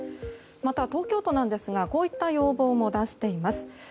また、東京都なんですがこういった要望も出しています。